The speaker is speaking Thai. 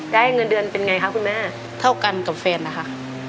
ได้เงินเดือนเป็นไงคะคุณแม่เท่ากันกับแฟนนะคะ